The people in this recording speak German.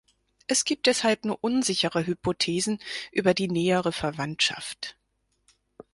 Es gibt deshalb nur unsichere Hypothesen über die nähere Verwandtschaft.